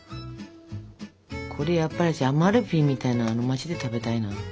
これやっぱりアマルフィみたいな街で食べたいな。